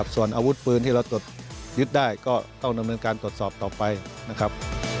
ส่วนอาวุธปืนที่เราตรวจยึดได้ก็ต้องดำเนินการตรวจสอบต่อไปนะครับ